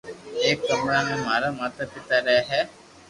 ايڪ ڪمرا مي مارا ماتا پيتا رھي ھي